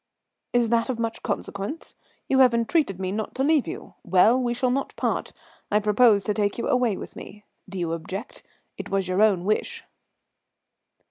"Is that of much consequence? You have entreated me not to leave you. Well, we shall not part; I propose to take you away with me. Do you object? It was your own wish."